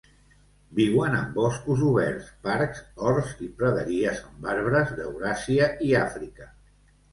Viuen en boscos oberts, parcs, horts i praderies amb arbres, d'Euràsia i Àfrica.